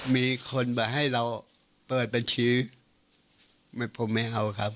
มีคนมาให้เราเปิดบัญชีผมไม่เอาครับ